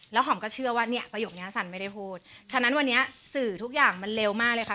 หอมก็เชื่อว่าเนี่ยประโยคนี้สันไม่ได้พูดฉะนั้นวันนี้สื่อทุกอย่างมันเร็วมากเลยค่ะ